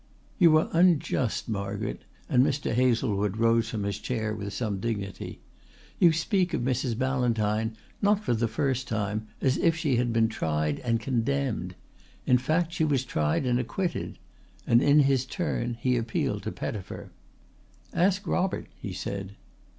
"You are unjust, Margaret," and Mr. Hazlewood rose from his chair with some dignity. "You speak of Mrs. Ballantyne, not for the first time, as if she had been tried and condemned. In fact she was tried and acquitted," and in his turn he appealed to Pettifer. "Ask Robert!" he said.